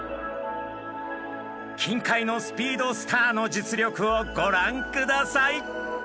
近海のスピードスターの実力をご覧ください！